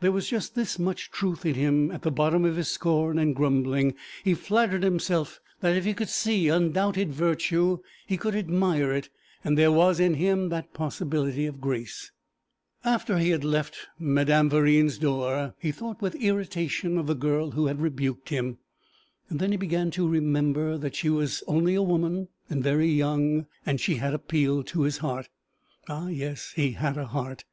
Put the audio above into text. There was just this much truth in him at the bottom of his scorn and grumbling he flattered himself that if he could see undoubted virtue he could admire it; and there was in him that possibility of grace. After he left Madame Verine's door he thought with irritation of the girl who had rebuked him. Then he began to remember that she was only a woman and very young, and she had appealed to his heart ah, yes, he had a heart.